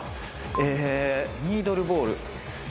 えニードルボール。